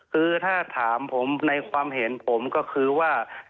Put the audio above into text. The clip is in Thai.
คือถ้าถามผมในความเห็นผมก็คือว่า